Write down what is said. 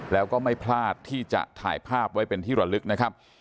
แล้วก็ไม่พลาดที่จะถ่ายภาพไว้เป็นที่ระลึกนะครับ